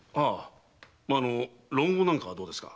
まあ論語なんかはどうですか？